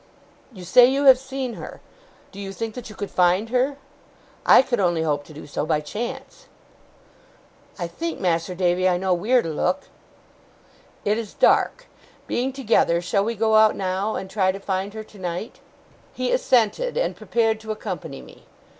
'You say you have seen her. Do you think that you could find her? I could only hope to do so by chance.' 'I think, Mas'r Davy, I know wheer to look.' 'It is dark. Being together, shall we go out now, and try to find her tonight?' He assented, and prepared to accompany me.